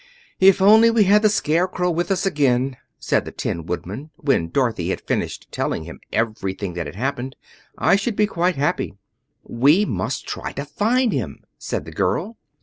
"If we only had the Scarecrow with us again," said the Tin Woodman, when Dorothy had finished telling him everything that had happened, "I should be quite happy." "We must try to find him," said the girl.